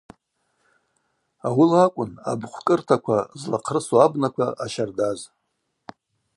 Ауыла акӏвын абхъвкӏыртаква злахърысу абнаква ъащардаз.